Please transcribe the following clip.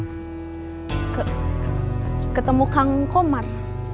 ke ketemu kang komar